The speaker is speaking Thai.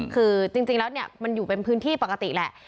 คือจริงแล้วเนี่ยมันอยู่เป็นพื้นที่ปกติแหละ